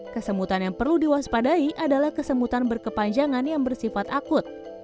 kesemutan yang perlu diwaspadai adalah kesemutan berkepanjangan yang bersifat akut